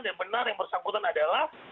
dan benar yang bersangkutan adalah